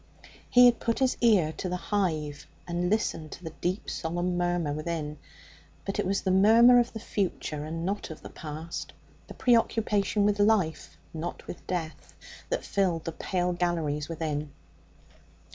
He had put his ear to the hive and listened to the deep, solemn murmur within; but it was the murmur of the future, and not of the past, the preoccupation with life, not with death, that filled the pale galleries within.